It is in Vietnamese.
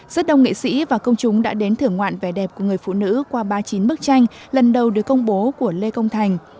rất đông nghệ sĩ và công chúng đã đến thưởng ngoạn vẻ đẹp của người phụ nữ qua ba mươi chín bức tranh lần đầu được công bố của lê công thành